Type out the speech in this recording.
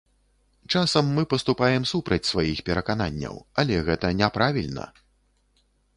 Часам мы паступаем супраць сваіх перакананняў, але гэта не правільна.